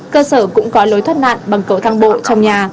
cơ sở cũng có lối thoát nạn bằng cầu thang bộ trong nhà